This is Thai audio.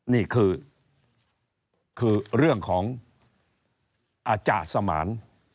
๙๓๗๑๐๒๑๑๑๓นี่คือคือเรื่องของอาจ่าสมาน